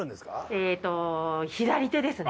えっと左手ですね。